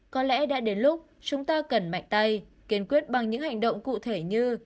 có lẽ đã đến lúc chúng ta cần mạnh tay kiên quyết bằng những hành động cụ thể như